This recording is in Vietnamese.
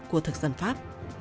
của thực dân pháp